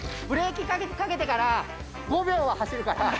ブレーキかけてから５秒は走るから。